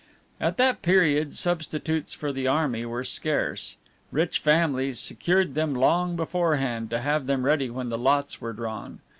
At that period substitutes for the army were scarce; rich families secured them long beforehand to have them ready when the lots were drawn.